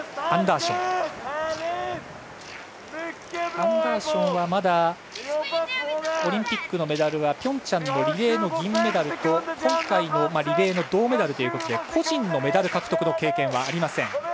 アンダーションはまだオリンピックのメダルはピョンチャンのリレーの銀メダルと今回のリレーの銅メダルということで個人のメダル獲得の経験はありません。